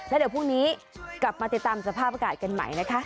แล้วเดี๋ยวพรุ่งนี้กลับมาติดตามสภาพอากาศกันใหม่นะคะ